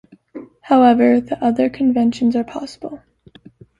However, other conventions are possible.